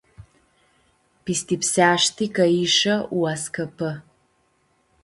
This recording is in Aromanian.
Pistipseashti cã Isha u-ascãpã.